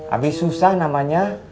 abis susah namanya